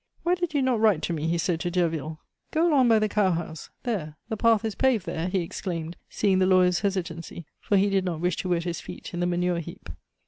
"Why did you not write to me?" he said to Derville. "Go along by the cowhouse! There the path is paved there," he exclaimed, seeing the lawyer's hesitancy, for he did not wish to wet his feet in the manure heap.